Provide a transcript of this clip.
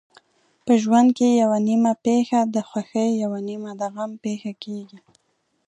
په ژوند کې یوه نیمه پېښه د خوښۍ یوه نیمه د غم پېښه کېږي.